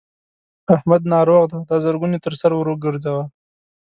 احمد ناروغ دی؛ دا زرګون يې تر سر ور ګورځوه.